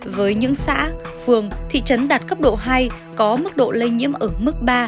với những xã phường thị trấn đạt cấp độ hai có mức độ lây nhiễm ở mức ba